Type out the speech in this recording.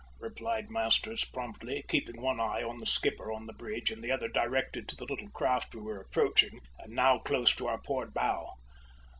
replied Masters promptly, keeping one eye on the skipper on the bridge and the other directed to the little craft we were approaching, and now close to our port bow.